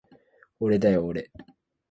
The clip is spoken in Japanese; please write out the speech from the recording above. おれだよおれ